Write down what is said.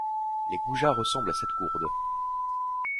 Les goujats ressemblent à cette gourde!